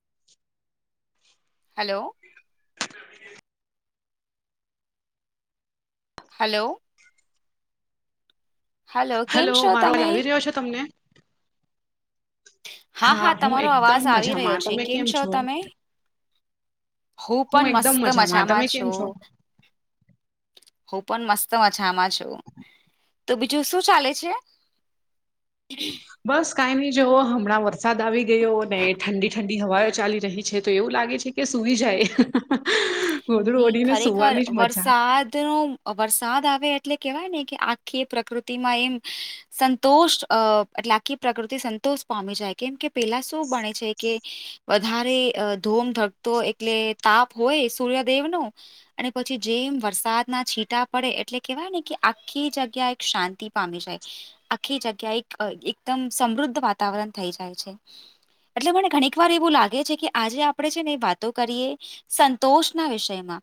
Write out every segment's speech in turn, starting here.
[inaudible] Hello hello hello કેમ hello છો મારો આજ તમે આવી રહ્યો છે, તમને? હા હું તમારો એકદમ અવાજ આવી રહ્યો મજામાં છે તમે કેમ છો? તમે હું પણ એકદમ મસ્ત મજામાં તમે કેમ છું છો? હું પણ મસ્ત ઓછામાં છું તો બીજું શું ચાલે છે? [inaudible] બસ કાંઈ નહી જોવ હમણાં વરસાદ આવી ગયો ને ઠંડી ઠંડી હવાઓ ચાલી રહી છે તો એવું લાગે છે કે સુઈ જાય. ગોધડું નહ ઓઢીને ખરેખર સુવાની જ મજા વરસાદ ન વરસાદ આવે એટલે કેવાય ને કે આખી પ્રકૃતિ માં એમ સંતોષ એટલે આખી પ્રકૃતિ સંતોષ પામી જાય કેમ કે પેલા શું બણે છે કે વધારે ધૂમ ધકતો એટલે તાપ હોય સૂર્યદેવ નો અને પછી જેમ વરસાદના છીટા પડે એટલે કેહેવાય ને કે આખી જગ્યા એક શાંતિ પામી જાય. આખી જગ્યા એક એકદમ સમૃદ્ધ વાતાવરણ થઈ જાય છે એટલે મને ઘણીક વાર એવું લાગે છે કે આજે આપડણે છે ને વાતો કરીએ સંતોષ ના વિષયમાં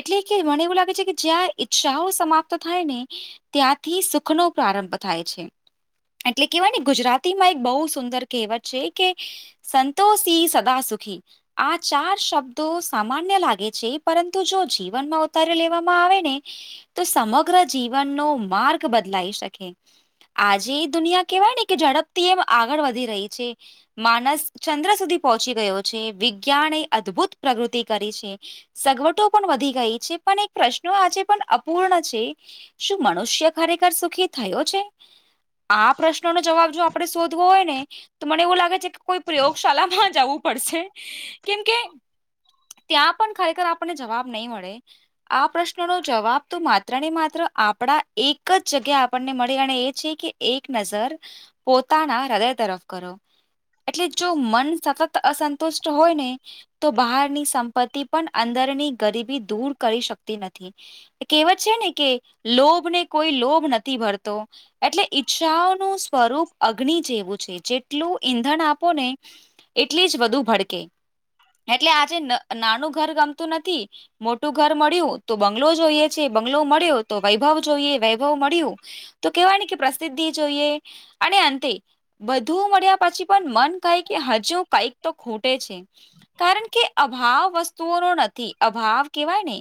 એટલે કે મને એવું લાગે છે કે જ્યાં ઈચ્છાઓ સમાપ્ત થાય ને ત્યાંથી સુખનો પ્રારંભ થાય છે, એટલે કહેવાય ને ગુજરાતીમાં એક બહુ સુંદર કહેવત છે, કે સંતોષી સદા સુુખી આ ચાર શબ્દો સામાન્ય લાગે છે પરંતુ જો જીવન માં ઉતારી લેવામાં આવે ને તો સમગ્ર જીવનનો માર્ગ બદલાઈ શકે આજે દુનિયા કેવાય ને કે ઝડપથી એમ આગળ વધી રહી છે, માનસ ચંદ્ર સુધી પહોંચી ગયો છે, વિજ્ઞાન એ અદભુત પ્રગૃતિ કરી છે, સગવટો પણ વધી ગઈ છે, પણ એક પ્રશ્નો આજે પણ પૂર્ણ છે, શું મનુષ્ય ખરેખર સુખી થયો છે? આ પ્રશ્નનો જવાબ જો આપણે શોધવો હોય ને તો મને એવું લાગે છે, કે કોઈ પ્રયોગશાળામાં જવું પડશે કેમકે ત્યાં પણ ખરેખર આપણને જવાબ નહીં મળે. આ પ્રશ્નનો જવાબ તો માત્ર ને માત્ર આપણા એક જ જગ્યા આપણને મળી અને એ છે, કે એક નજર પોતાના હૃદય તરફ કરો એટલે જો મન સતત અસંતુષ્ટ હોય ને તો બહારની શા પતિ પણ અંદરની ગરીબી દૂર કરી શકતી નથી. કહેવત છે, ને કે લોભને કોઈ લોભ નથી ભરતો. એટલે ઈચ્છાઓનું સ્વરૂપ અગ્નિ જેવું છે, જેટલું ઈંધણ આપો ને. એટલી જ બધું ભડકે એટલે આજે નાનું ઘર ગમતું નથી. મોટું ઘર મળ્યું તો બંગલો જોઈએ છે, બંગલો મળ્યો તો વૈભવ જોઈએ વૈભવ મળ્યું તો કેવાની કે પ્રસિદ્ધિ જોઈએ અને અંતે વધુ મળ્યા પછી પણ મન કાય કે હજુ કઈક તો ખોટે છે. કારણ કે અભાવ વસ્તુઓનો નથી અભાવ કવાય ને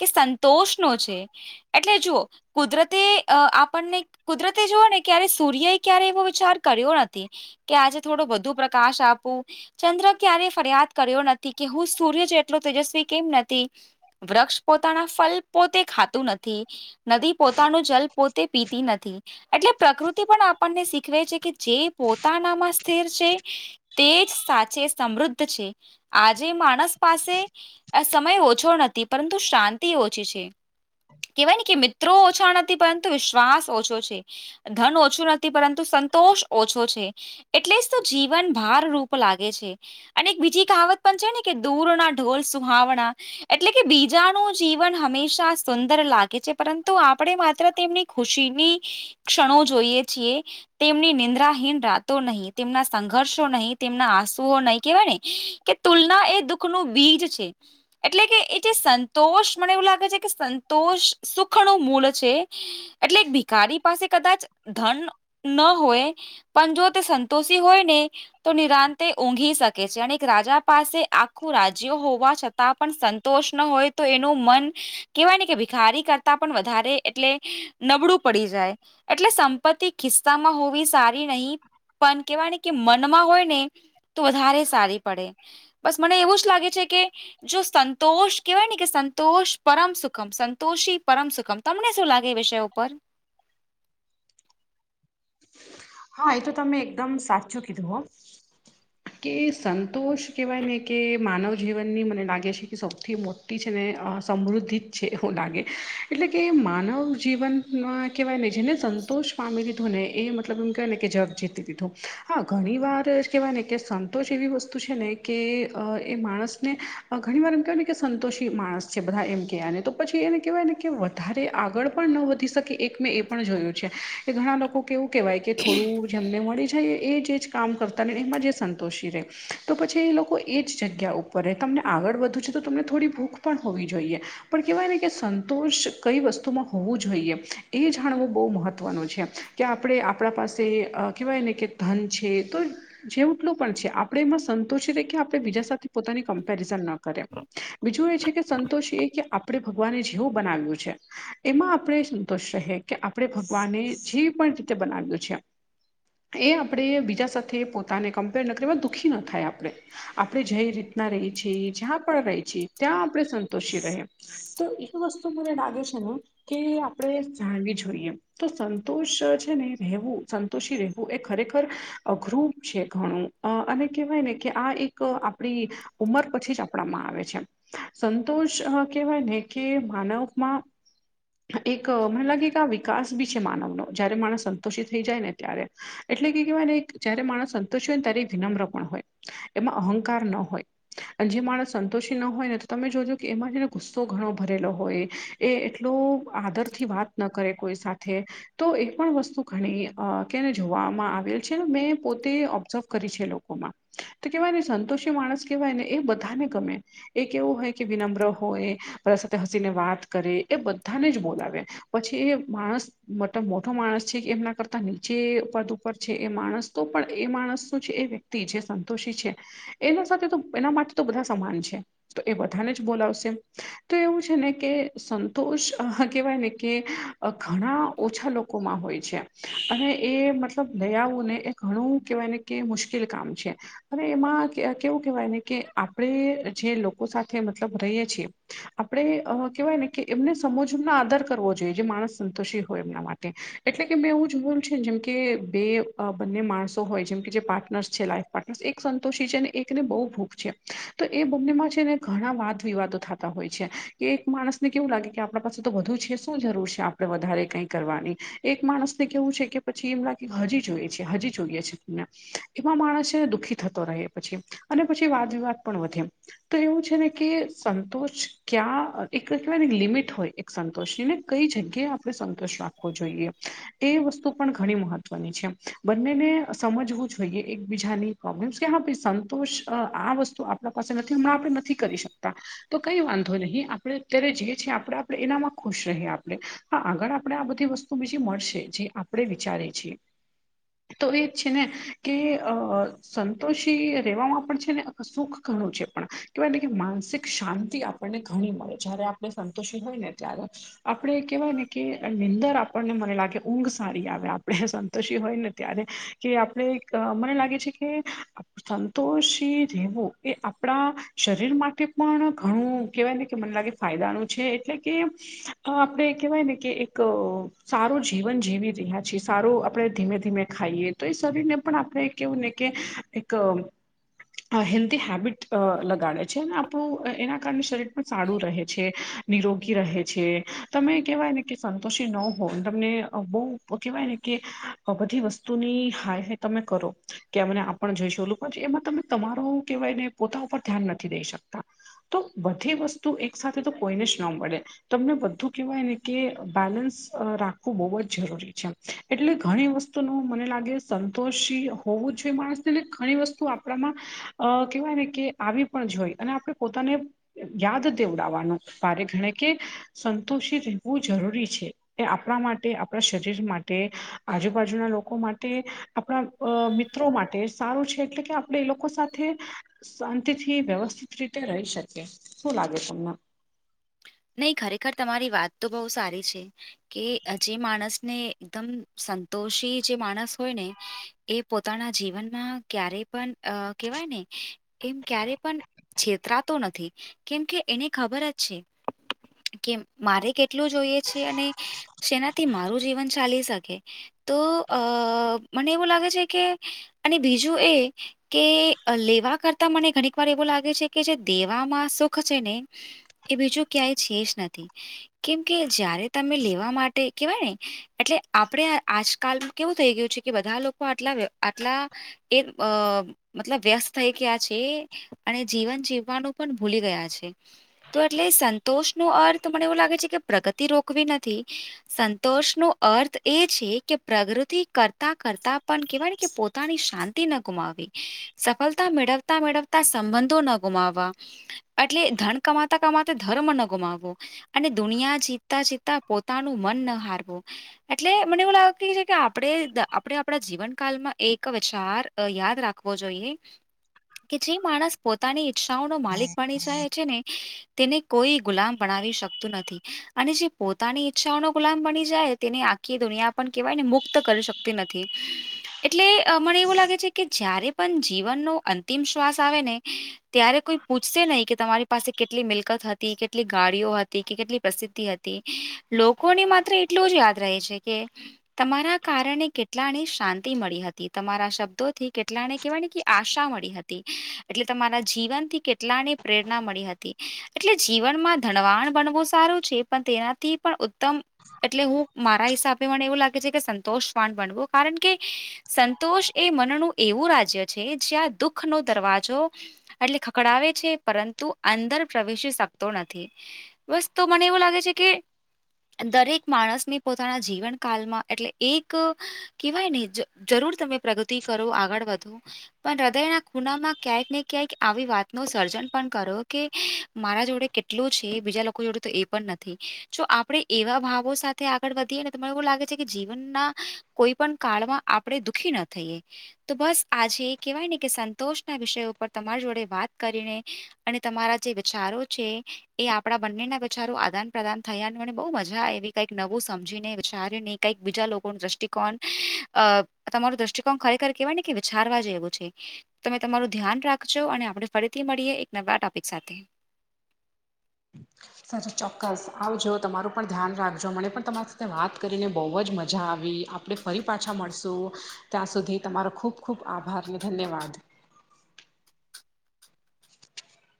કે સંતોષ નો છે, એટલે જુઓ કુદરતે અ આપણને કુદરતે જુઓ ને ક્યારે સૂર્ય એ ક્યારે એવો વિચાર કર્યો નથી. કે આજે થોડો વધુ પ્રકાશ આપવું ચંદ્ર ક્યારે ફરિયાદ કર્યો નથી. કે હું સૂર્ય છે એટલો તેજસ્વી કેમ નથી. વૃક્ષ પોતાના ફલ પોતે ખાતું નથી. નદી પોતાનું જલ પોતે પીતી નથી. એટલે પ્રકૃતિ પણ આપણને શીખવે છે, કે જે પોતાનામાં સ્થિર છે તે જ સાચે સમૃદ્ધ છે. આજે માણસ પાસે સમય ઓછો નથી પરંતુ શાંતિ ઓછી છે. કહેવાય ને કે મિત્રો ઓછા નથી પરંતુ વિશ્વાસ ઓછો છે. ધન ઓછું નથી પરંતુ સંતોષ ઓછો છે. એટલે જ તો જીવન ભાર રૂપ લાગે છે અને એક બીજી કાહવત દૂરના ઢોર સુહામણા. એટલે કે બીજાનું જીવન હંમેશા સુંદર લાગે છે પરંતુ આપણે માત્ર તેમની ખુશીની ક્ષણો જોઈએ છીએ. તેમની નિંદ્રાહીન રાતો નહી, તેમના સંઘર્ષો નહી, તેમના આંસુઓ નહી કેહેવાય ને કે તુલના એ દુઃખ ન બીજ છે. એટલે કે એ જે સંતોષ મને એવું લાગે છે, કે સંતોષ સુખ ન મૂળ છે. એટલે ભીકારી પાસે કદાચ ધન ન હોય. પણ જો તે સંતોષી હોય ને તો નિરાંત તે ઊંઘી શકે છે, અને રાજા પાસે આખું રાજ્યો હોવા છતાં પણ સંતોષ ન હોય તો એનું મન કેવાય ને કે ભિખારી કરતા પણ વધારે એટલે નબળું પડી જાય. એટલે સંપત્તિ ખિસ્સામાં હોવી સારી નહી. પણ કેવાય ને મનમાં હોય ને તો વધારે સારી. પડે બસ મને એવું જ લાગે છે કે જો સંંતોષ કેવાય ને કે સંતોષ પરમ સુખમ સંતોષી પરમ સુખમ. તમને શું લાગે એ વિષય ઉપર. હા એ તો તમે એકદમ સાચું કીધું હો. કે સંતોષ કહેવાય ને કે માનવ જીવનની મને લાગે છે કે સૌથી મો છે ને સમૃદ્ધિ જ છે એવું લાગે એટલે કે માનવ જીવન કહેવાય ને જેને સંતોષ પામી લીધો ને એ મતલબ એમ કેહેવાય ને કે જગ જીતી લીધો. હા ઘણી વાર કેવાય ને કે સંતોષ એવી વસ્તુ છે ને કે એ માણસને ઘણી વાર એમ કેહેવાય ને કે સંતોષી માણસ છે બધા એમ કે આને તો પછી એને કહેવાય ને કે વધારે આગળ પણ ન વધી શકે એક મે એ પણ જોયું છે. કે ઘણા લોકો કે એવું કહેવાય કે થોડું જેમને મળી જાય એ જે જ કામ કરતા ને એમાં જે સંન તો પછી એ લોકો એ જગ્યા ઉપર તમને આગળ વધવુ છે તો તમને થોડી ભૂખ પણ હોવી જોઈએ પણ કહેવાય ને કે સંતોષ કઈ વસ્તુમાં હોવું જોઈએ એ જાણવું બહુ મહત્ત્વનું છે કે આપણે આપણા પાસે અ કહેવાય ને કે ધન છે તો જેવું પણ છે આપણે એમાં સંતોષ કે આપણે બીજા સાથે પોતાની કમ્પેરિઝન ના કરે. બીજું એ છે કે સંતોષી એ કે આપણે ભગવાને જેવું બનાવ્યું છે. એમાં આપણે સંતોષ રહે કે આપણે ભગવાને જે પણ રીતે બનાવ્યું છે. એ આપણે બીજા સાથે પોતાને કમ્પેર ન કરવા દુઃખી ન થાય આપણે આપણે જે રીતના રહીએ છીએ જ્યાં પણ રહીએ છે ત્યાં આપણે સંતોષી રહે. તો એવી વસ્તુ મને લાગે છે કે આપણે જાણવી જોઈએ. તો સંતોષ છે ને રહેવું સંતોષી રહેવું એ ખરેખર અઘરું છે. ઘણું અને કહેવાય ને કે આ એક આપણી ઉંમર પછી જ આપણા માં આવે છે. સંતોષ કહેવાય ને કે માનવમાં એક મને લાગે કા [unintelligible] વિકાસ બી છે માનવ નો જયારે માણસ સંતોષિત થઈ જાય ને ત્યારે એટલે કે કેહેવાય જ્યારે માણસ તેને ત્યારે વિનમ્ર પણ હોય એમાં અહંકાર ન હોય. અને જે માણસ સંતોષી ન હોય ને તો તમે જોજો કે એમાંથીને ગુસ્સો ઘણો ભરેલો હોય છે. એ એટલો આદરથી વાત ન કરે કોઈ સાથે તો એક પણ વસ્તુ ઘણી જોવામાં આવેલ છે મેં પોતે કરી છે લોકોમાં તો કેવાયને સંતોષી માણસ કેહેવાય ને એ બધાને ગમે છે. એ કેવું હોય કે વિનમ્ર હોય બધા સાથે હસીને વાત કરે એ બધાને જ બોલાવે છે. પછી એ માણસ મોટો માણસ છે કે એમના કરતા નીચે પદ ઉપર છે એ માણસ તો પણ એ માણસ એ વ્યક્તિ જે સંતોષી છે, એના માટે તો બધા સમાન છે. તો એ બધાને જ બોલાવશે તો એવું છે ને કે સંતોષ કેહેવાય ને કે ઘણા ઓછા લોકો અને એ મતલબ લઈ આવું ને એ ઘણું કેવાય છે. કે મુશ્કેલ કામ છે હવે એમાં કેવું કેવાય ને કે આપણેે જે લોકો સાથે મતલબ રહીએ છીએ આપણે કેવાય ને કે એમને સમજમનો આદાર કરવો જોઈએ જે માણસ સંતોષી હોય એમના માટે એટલે કે મેં એવું જોયેલું છે ને જેમ કે બે બંને માણસો હોય જેમ પાર્ટનર્સ છે લાઇફપાર્ટનર એક સંતોષી છે અને એકને બહુ ભૂખ છે તો એ બંનેમાં છે ને ઘણા વાદ વિવાદો થતા હોય છે કે એક માણસને કેવું લાગે કે આપણા પાસે તો વધુ છે શું જરૂર છે. આપણને વધારે કઈ કરવાની એક માણસ ને કેવું છે કે પછી એમ લાગે હજી જોઈએ છે હજી જોઈએ છે. એમા માણસ દુઃખી થતો રહે અને પછી વાદ વિવાદ પણ વધે છે. તો એવું છે ને કે સંતોષ ક્યાં એક કેવાય લિમિટ હોય છે. સંતોષીને કઈ જગ્યાએ આપણે સંતોષ રાખવો જોઈએ એ વસ્તુ પણ ઘણી મહત્વની છે બંનેને સમજવું જોઈએ એકબીજાની પ્રોબ્લેમ્સ કે હા સંતોષ આ વસ્તુ હમણાં આપણેે નથી કરી શકતા. તો કઈ વાંધો નહીં આપણે અત્યારે જે છેએ આપણે આપણે એનામાં ખુશ રહીએ આપણે હા આગળ આપણે આ બધી વસ્તુ બીજી મળશે જે આપણે વિચારી છીએ તો એ છે ને કે અ સંતોષી રહેેવામાં પણ છે ને સુખ ઘણું છે પણ કેવાય કે માનસિક શાંતિ આપ ઘણી મળે જયારે આપણે સંતોષી હોય ને ત્યારે આપણે કેહેવાય ને કે નિંદર આપણને મને લાગે ઊંઘ સારી આવે આપડણે સંતોષી હોય ને ત્યારે કે આપણે એક મને લાગે છે કે સંતોષી રહેવો એ આપણા શરીર માટે પણ ઘણું કેહેવાય ને કે મને લાગે ફાયદાનું છે એટલે કે આપડણે કેહેવાય ને કે એક સારું જીવન જીવી રહ્યા છીએ સારું આપણે ધીમે ધીમે ીમે ખાઈએ તો એ શરીર ને પણ આપણે કેવું ને કે એક હેન્ધી હેબિટ લગાડે છે અને આપણું એના કારણે શરીરમાં સારું રહે છે. નિરોગી રહે છે તમે કેહેવાય ને કે સંતોષી ન હોવ તમને બહ કેવાય ને કે બધી વસ્તુની. હાય હ તમે કરો કે અમને આપણ જોઈશું ઓ લોકો છે એમાં તમે તમારો કેવાય ને પોતા ઉપર ધ્યાન નથી દઈ શકતા તો બધી વસ્તુ એક સાથે તો કોઈને જ ન મળે તમને બધું કેવાય ને કે બેલેન્સ રાખવું બહુ જ જરૂરી છે. એટલે ઘણી વસ્તુ ન મને લાગે સંતોષી હોવું જ જોઈએ માણસને ઘણી વસ્તુ આપણામાં અ કેવાય ને કે આવી પણ જોઈ અને આપણે પોતાને યાદ દેવડાવવાનું ભ ગણે કે સંતોષી રહેવું જરૂરી છે. એ આપણા માટે આપણા શરીર માટે આજુબાજુના લોકો માટે.. આપણા મિત્રો માટે સારું છે એટલે કે આપણે એ લોકો સાથે- શાંતિથી વ્યવસ્થિત રીતે રહી શકે શું લાગે તમને? નહી ખરેખર તમારી વાત તો બહુ સારી છે. કે જે માણસ ને એકદમ સંતોષી જે માણસ હોય ને એ પોતાના જીવનમાં ક્યારે પણ કેહેવાય ને એમ ક્યારે પણ છેતરાતો નથી કેમ કે એને ખબર જ છે. કે મારે કેટલું જોઈએ છે અને જેનાથી મારું જીવન ચાલી શકે. તો અ મને એવું લાગે છે કે અને બીજું એ કે લેવા કરતા મને ઘણીક વાર એવું લાગે છે કે જે દેવામાં સુખ છે ને એ બીજું ક્યાંય છે જ નથી. કેમ કે જયારે તમે લેવા માટે કેવાય ને એટલે આપણે આજકાલ કેવું થઈ ગયું છે કે બધા લોકો આટલા આટલા એ મતલબ વ્યસ્ત થઈ ગયા છે અને જીવન જીવવાનું પણ ભૂલી ગયા છે. તો એટલે સંતોષ નો અર્થ મને એવું લાગે છે કે પ્રગતિ રોકવી નથી. સંતોષ નો અર્થ એ છે કે પ્રગૃતિ કરતા કરતા પણ કેહેવાય કે પોતે પોની શાંતિ ન ગુમાવવી સફળતા મેળવતા મેળવતા સંબંધો ન ગુમાવવા એટલે ધન કમાતા કમાતા ધર્મ ન ગુમાવવો અને દુનિયા જીતતા જીતતા પોતાનું મન ન હારવું. એટલે મને એવું લાગે છે કે આપણે આપે આપણા જીવનકાળમાં એક વિચાર યાદ રાખવો જોઈએ કે જે માણસ પોતાની ઈચ્છાઓ ન માલિક ભણી જાય છે ને તેને કોઈ ગુલામ ભણાવી શકતું નથી. અને જે પોતાની ઈચ્છાઓનો ગુલામ બની જાય તેને આખી દુનિયા પણ કેહેવાય ને મુક્ત કરી શક કે નથી એટલે મને એવું લાગે છે કે જયારે પણ જીવનનો અંતિમ શ્વાસ આવે ને ત્યારે કોઈ પૂછશે નહીં કે તમારી પાસે કેટલી મિલકત હતી કેટલી ગાડીઓ હતી કે કેટલી પ્રસિદ્ધિ હતી. લોકોને માત્ર એટલું જ યાદ રહે છે કે તમારા કારણે કેટલાને શાંતિ મળી હતી તમારા શબ્દોથી કેટલાને વા આશા મળી હતી એટલે તમારા જીવન થી કેટલાને પ્રેમ મળી હતી એટલે જીવનમાં ધનવાન બનવું સારું છે પણ તેનાથી પણ ટમ એટલે હું મારા હિસાબે મને એવું લાગે છે કે સંતોષ ફડ બનવું કારણ કે સંતોષ એ મનનું એવું રાજ્ય છે જ્યાં દુઃખ નો દરવાજો એટલે ખકડાવે છે. પરંતુ અંદર પ્રવેશી શકતો નથી બસ તો મને એવું લાગે છે કે દરેક માણસની પોતાના જીવન કલમાં એટલે એક કેવાય નને જરૂર તમે પ્રગતિ કરો આગળ વધો પણ હૃદયના ખુનામાં ક્યાંક ને ક્યાંક આવી વાત ન સર્જન કરો કે મારા જોડે કેટલોું છે બીજા લોકો જોડે તો એ પણ નથી તો આપણે એવા ભાવો સાથે આગળ વધીએ ને તને એવું લાગે છે કે જીવનના કોઈ પણ કાળમાં આપણે દુઃખી ના થઈ. તો બસ આજે કહેવાય ને કે સંતોષ ના વિષય ઉપર તમારી જોડે વાત કરીને અને તમારા જે વિચારો છે એ આપડા બંને ના વિચારો આદાન પ્રદાન થયા અને મને બહુ મજા આવી કઈક નવું સમજીને વિચારીને કઈક બીજા લોકો ન દ્રષ્ટિકોણ અ તમારરો દ્રષ્ટિકોણ ખરેખર કેવા ને કે વિચારવા જેવું છે. તમે તમારું ધ્યાન રાખજો અને આપણે ફરીથી મળીએ એક નવા ટોપિક સાથે. [inaudible] સાચો ચોક્કસ આવજો તમારું પણ ધ્યાન રાખજો મને પણ તમારી સાથે વાત કરીને બહુ જ મજા આવી આપણે ફરી પાછા મળશું ત્યાં સુધી તમારો ખૂબ ખૂબ આભારને ધન્યવાદ [inaudible]